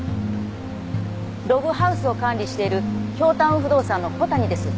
ログハウスを管理している京タウン不動産の小谷です。